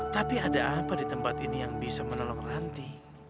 tapi ada apa di tempat ini yang bisa menolong ranti